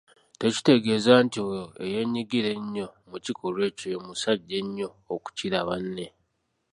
Tekitegeeza nti oyo eyeenyigira ennyo mu kikolwa ekyo ye musajja ennyo okukira banne.